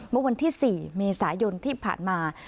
มวลที่๔เมษายนที่ผ่านมา